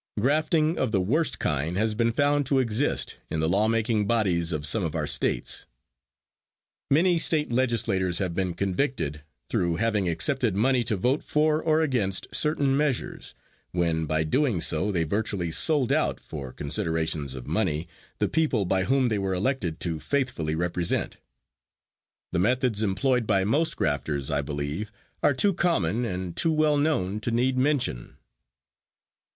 Grafting of the worst kind has been found to exist in the law making bodies of some of our states. Many state legislators have been convicted through having accepted money to vote for or against certain measures, when by so doing they virtually sold out, for considerations of money, the people by whom they were elected to faithfully represent. The methods employed by most grafters, I believe, are too common and too well known to need mention.